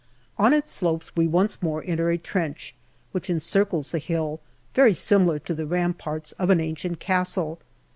On its slopes we once more enter a trench, which encircles the hill, very similar to the ramparts of an ancient castle.